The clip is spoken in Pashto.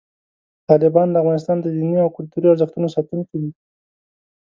طالبان د افغانستان د دیني او کلتوري ارزښتونو ساتونکي دي.